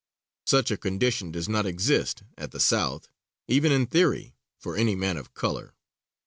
Such a condition does not exist, at the South, even in theory, for any man of color.